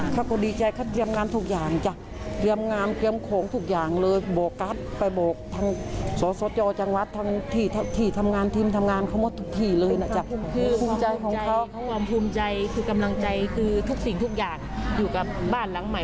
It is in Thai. ตัดสินใจคือทุกสิ่งทุกอย่างอยู่กับบ้านหลังใหม่